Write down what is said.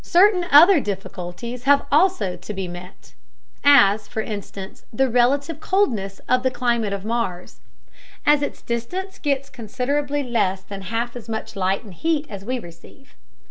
Certain other difficulties have also to be met; as, for instance, the relative coldness of the climate of Mars. At its distance it gets considerably less than half as much light and heat as we receive.